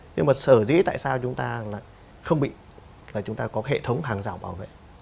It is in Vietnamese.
nhưng mà sở dĩ tại sao chúng ta lại không bị là chúng ta có hệ thống hàng rào bảo vệ